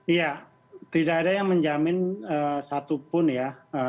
iya tidak ada yang menjamin satupun ya